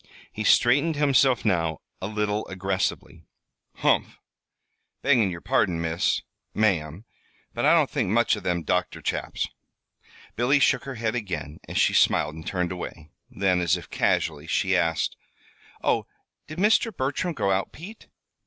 He straightened himself now a little aggressively. "Humph! Beggin' yer pardon, Miss ma'am, but I don't think much o' them doctor chaps." Billy shook her head again as she smiled and turned away. Then, as if casually, she asked: "Oh, did Mr. Bertram go out, Pete?"